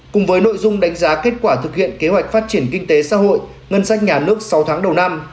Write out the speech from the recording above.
cùng với nội dung đánh giá kết quả thực hiện kế hoạch phát triển kinh tế xã hội ngân sách nhà nước sáu tháng đầu năm